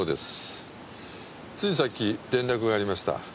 ついさっき連絡がありました。